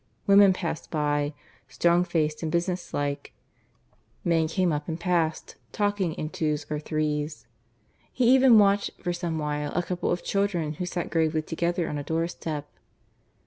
Women passed by, strong faced and business like; men came up and passed, talking in twos or threes. He even watched for some while a couple of children who sat gravely together on a doorstep.